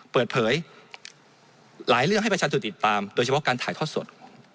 เปิดเผยหลายเรื่องให้ประชาชนติดตามโดยเฉพาะการถ่ายทอดสด